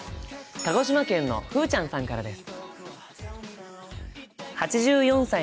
鹿児島県のふうちゃんさんからです。